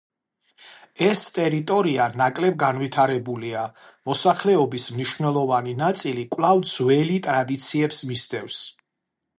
ეს ტერიტორია ნაკლებ განვითარებულია, მოსახლეობის მნიშვნელოვანი ნაწილი კვლავ ძველი ტრადიციებს მისდევს.